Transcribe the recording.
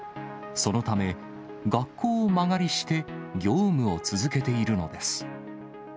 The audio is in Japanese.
そのため、学校を間借りして業務を続けているのです。